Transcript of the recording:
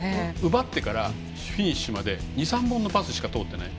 奪ってからフィニッシュまで２、３本のパスしか通っていない。